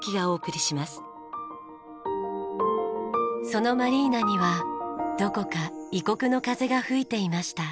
そのマリーナにはどこか異国の風が吹いていました。